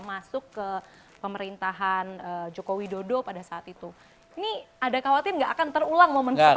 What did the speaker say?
masuk ke pemerintahan joko widodo pada saat itu ini ada khawatir nggak akan terulang momen siapa